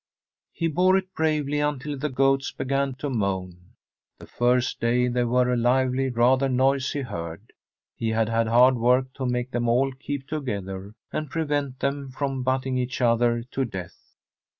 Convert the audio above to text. He bore it bravely until the goats began to moan. The first day they were a lively, rather noisy herd. He had had hard work to make them all keep together, and prevent them from butting each other to death.